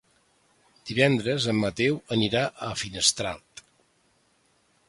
Divendres en Mateu anirà a Finestrat.